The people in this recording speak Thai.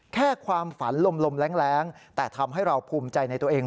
แค่ความฝันลมแรงแต่ทำให้เราภูมิใจในตัวเอง